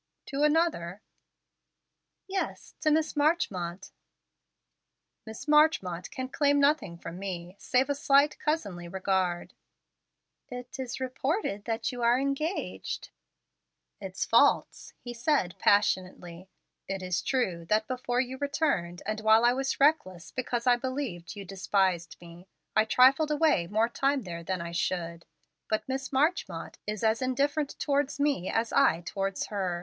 "To another?" "Yes; to Miss Marchmont." "Miss Marchmont can claim nothing from me, save a slight cousinly regard." "It is reported that you are engaged." "It's false," he said passionately. "It is true, that before you returned, and while I was reckless because I believed you despised me, I trifled away more time there than I should. But Miss Marchmont, in reality, is as indifferent towards me as I towards her.